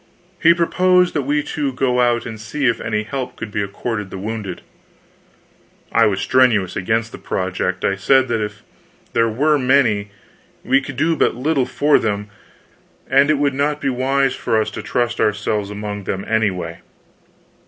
He proposed that we two go out and see if any help could be accorded the wounded. I was strenuous against the project. I said that if there were many, we could do but little for them; and it would not be wise for us to trust ourselves among them, anyway.